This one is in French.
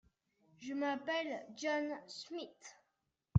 Je m’appelle John Smith.